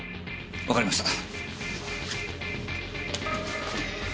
わかりました。